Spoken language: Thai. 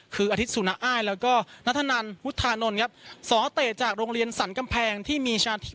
คืออาทิตยสุนอ้ายแล้วก็นัทนันพุทธานนท์ครับสอเตะจากโรงเรียนสรรกำแพงที่มีชาธิ